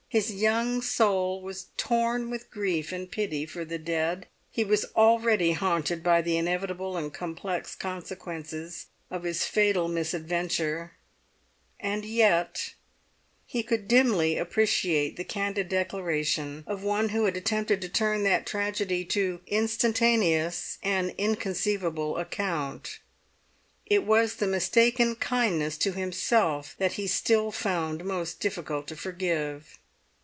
His young soul was torn with grief and pity for the dead; he was already haunted by the inevitable and complex consequences of his fatal misadventure, and yet he could dimly appreciate the candid declaration of one who had attempted to turn that tragedy to instantaneous and inconceivable account. It was the mistaken kindness to himself that he still found most difficult to forgive.